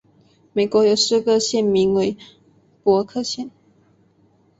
美国有四个县名为伯克县。